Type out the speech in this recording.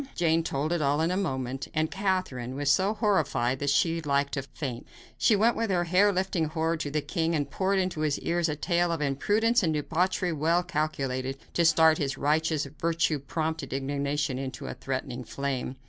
Jane told it all in a moment, and Catherine was so horrified that she was like to faint. She went with her hair lifting horror to the king, and poured into his ears a tale of imprudence and debauchery well calculated to start his righteous, virtue prompted indignation into a threatening flame.